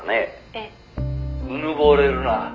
「ええ」「うぬぼれるな」